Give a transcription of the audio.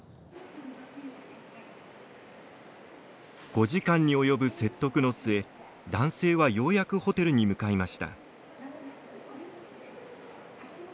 ５時間に及ぶ説得の末男性はようやくホテルに向かいました。